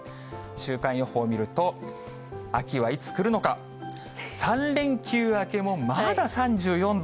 週間予報見ると、秋はいつ来るのか、３連休明けもまだ３４度。